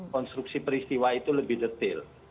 konstruksi peristiwa itu lebih detail